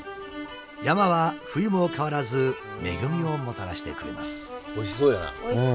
山は冬も変わらず恵みをもたらしてくれます。